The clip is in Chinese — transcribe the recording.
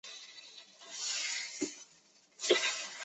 县治恩波里亚并不是县的一部分。